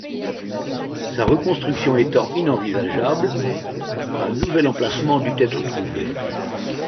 Sa reconstruction étant inenvisageable, un nouvel emplacement dut être trouvé.